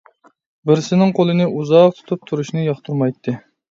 بىرسىنىڭ قولىنى ئۇزاق تۇتۇپ تۇرۇشىنى ياقتۇرمايتتى.